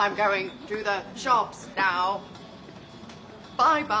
バイバイ。